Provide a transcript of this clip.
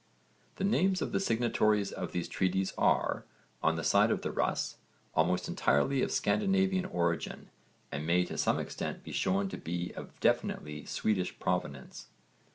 The names of the signatories to these treaties are, on the side of the 'Rus,' almost entirely of Scandinavian origin and may to some extent be shown to be of definitely Swedish provenance.